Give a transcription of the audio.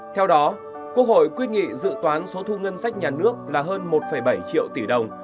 theo đó quốc hội quyết nghị dự toán số thu ngân sách nhà nước là hơn một bảy triệu tỷ đồng